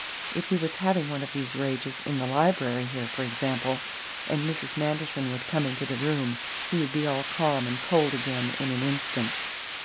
If he was having one of these rages in the library here, for example, and Mrs. Manderson would come into the room, he would be all calm and cold again in an instant."